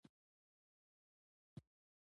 او بیا د یو چا د چټکو ګامونو مسلسل غږونه!